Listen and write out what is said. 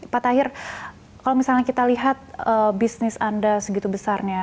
pak tahir kalau misalnya kita lihat bisnis anda segitu besarnya